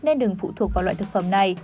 nên đừng phụ thuộc vào loại thực phẩm này